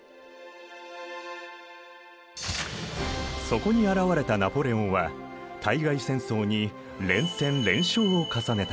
そこに現れたナポレオンは対外戦争に連戦連勝を重ねた。